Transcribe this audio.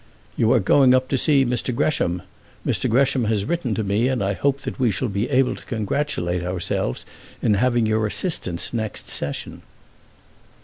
"You are going up to see Mr. Gresham. Mr. Gresham has written to me, and I hope that we shall be able to congratulate ourselves in having your assistance next Session."